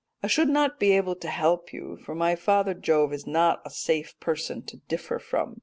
I should not be able to help you, for my father Jove is not a safe person to differ from.